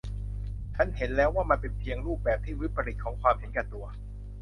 ฉันเห็นแล้วว่ามันเป็นเพียงรูปแบบที่วิปริตของความเห็นแก่ตัว